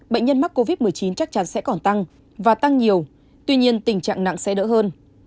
bệnh nhân mắc covid một mươi chín chắc chắn sẽ còn tăng và tăng nhiều tuy nhiên tình trạng nặng sẽ đỡ hơn